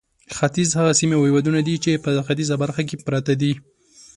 ختیځ هغه سیمې او هېوادونه دي چې په ختیځه برخه کې پراته دي.